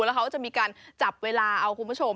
แล้วเขาก็จะมีการจับเวลาเอาคุณผู้ชม